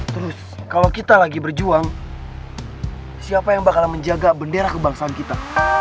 terus kalau kita lagi berjuang siapa yang bakalan menjaga bendera kebangsaan kita